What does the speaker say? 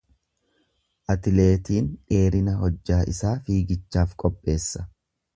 Atleetiin dheerina hojjaa isaa fiigichaaf qopheesse.